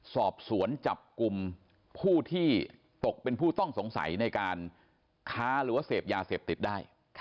สอบสวนจับกลุ่มผู้ที่ตกเป็นผู้ต้องสงสัยในการค้าหรือว่าเสพยาเสพติดได้